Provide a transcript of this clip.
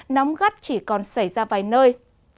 nóng gắt chỉ còn xảy ra vài nơi